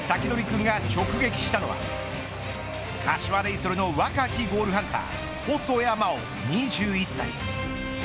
今回先取りくんが直撃したのは柏レイソルの若きゴールハンター細谷真大２１歳。